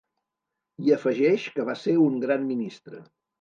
I afegeix que va ser ‘un gran ministre’.